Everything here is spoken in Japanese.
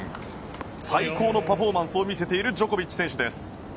最高のパフォーマンスを見せているジョコビッチ選手です。